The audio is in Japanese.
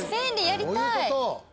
やりたい。